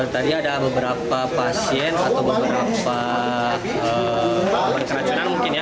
tadi ada beberapa pasien atau beberapa korban keracunan mungkin ya